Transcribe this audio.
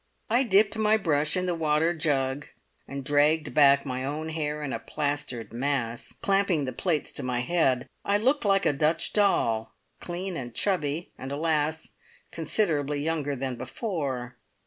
I dipped my brush in the water jug and dragged back my own hair in a plastered mass, clamping the plaits to my head. I looked like a Dutch doll! Clean and chubby, and, alas! considerably younger than before.